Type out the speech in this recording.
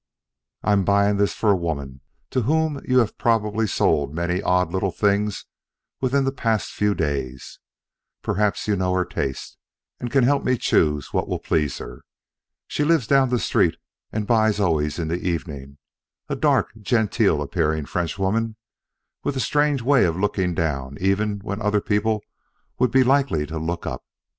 "I am buying this for a woman to whom you have probably sold many odd little things within the past few days. Perhaps you knew her taste, and can help me choose what will please her. She lives down the street and buys always in the evening a dark, genteel appearing Frenchwoman, with a strange way of looking down even when other people would be likely to look up.